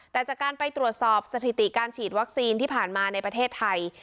แต่จากการไปตรวจสอบสถิติการฉีดวัคซีนที่ผ่านมาในประเทศไทย